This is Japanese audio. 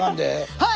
はい！